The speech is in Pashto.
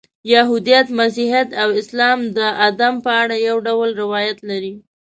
یهودیت، مسیحیت او اسلام د آدم په اړه یو ډول روایات لري.